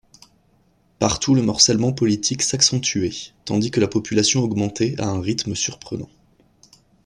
Partout le morcellement politique s'accentuait, tandis que la population augmentait à un rythme surprenant.